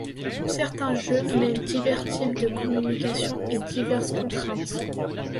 Certains jeux mêlent divers types de communication et diverses contraintes.